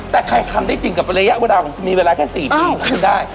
แต่ใครทำได้จริงกับระยะวดังมีเวลาแค่๔ปีก็ขึ้นได้